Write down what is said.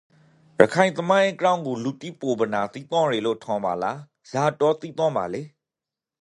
ရခိုင်သမိုင်းအကြောင်းကိုလူတိပိုပနာသိသင့်ယေလို့ ထင်ပါလာ? ဇာတွက် သိသင့်ပါလေ?